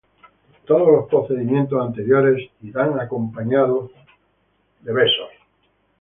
Todos los procedimientos anteriores irán acompañados de oraciones.